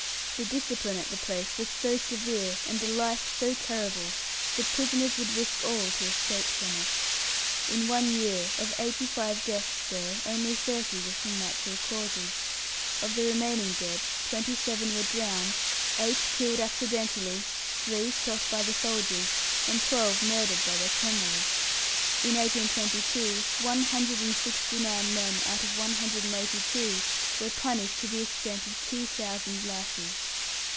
The discipline at the place was so severe, and the life so terrible, that prisoners would risk all to escape from it. In one year, of eighty five deaths there, only thirty were from natural causes; of the remaining dead, twenty seven were drowned, eight killed accidentally, three shot by the soldiers, and twelve murdered by their comrades. In 1822, one hundred and sixty nine men out of one hundred and eighty two were punished to the extent of two thousand lashes.